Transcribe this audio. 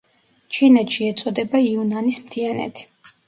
ჩინეთში ეწოდება იუნანის მთიანეთი.